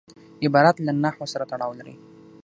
عبارت له نحو سره تړاو لري.